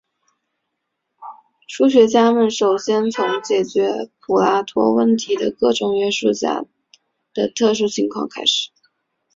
数学家们首先从解决普拉托问题的各种约束下的特殊情况开始。